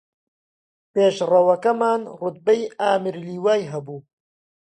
پێشڕەوەکەمان ڕوتبەی ئامیر لیوای هەبوو